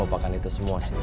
kau pernah tidur sama aku afif